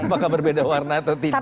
apakah berbeda warna atau tidak